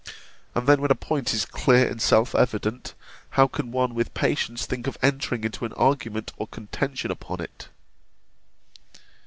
And then when a point is clear and self evident, how can one with patience think of entering into an argument or contention upon it?